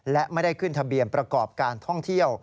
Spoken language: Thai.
และไม่ได้ขึ้นทะเบียนประกอบการท่องเที่ยว